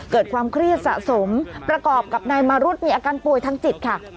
เกิดความเครียดสะสมประกอบกับนายมารุธมีอาการป่วยทางจิตค่ะ